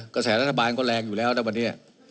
กระแสรัฐบาลก็แรงอยู่แล้วนะวันนี้